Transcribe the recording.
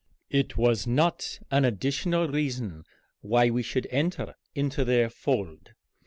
It was not an additional reason why we should enter into their fold.